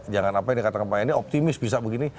jangan apa apa ini kata pak yane optimis bisa begini